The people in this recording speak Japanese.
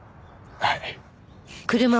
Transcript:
はい。